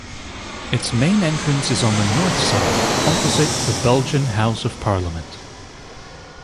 Its main entrance is on the north side, opposite the Belgian House of Parliament.